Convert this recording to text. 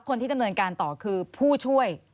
คนที่ดำเนินการต่อคือผู้ช่วย